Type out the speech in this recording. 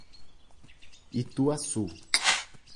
Ituaçu